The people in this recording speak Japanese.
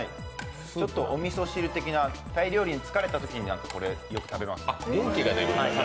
ちょっとおみそ汁的なタイ料理の辛いのに疲れたときに、これを食べます。